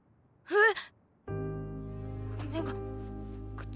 えっ⁉